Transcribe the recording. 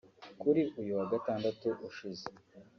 Kuri uyu wa gatandatu ushize